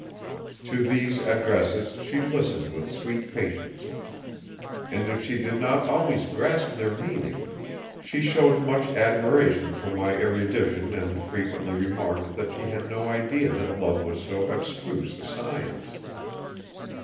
To these addresses she listened with sweet patience, and if she did not always grasp their meaning, she showed much admiration for my erudition and frequently remarked that she had no idea that love was so abstruse a science.